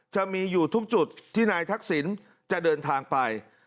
จะมีอยู่ทุกจุดที่นายทักษิณจะเดินทางไป